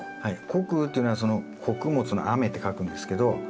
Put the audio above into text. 穀雨というのは穀物の雨って書くんですけど